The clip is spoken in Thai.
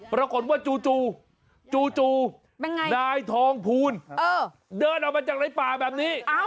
ปรากฏว่าจู่จู่นายทองภูลเดินออกมาจากในป่าแบบนี้